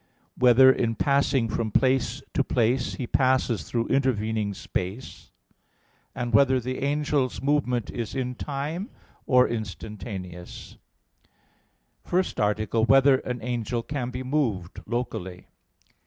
(2) Whether in passing from place to place he passes through intervening space? (3) Whether the angel's movement is in time or instantaneous? _______________________ FIRST ARTICLE [I, Q. 53, Art. 1] Whether an Angel Can Be Moved Locally?